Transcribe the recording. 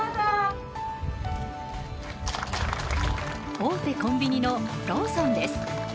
大手コンビニのローソンです。